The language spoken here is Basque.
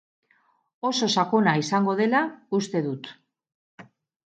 Oso sakona izango dela uste dut.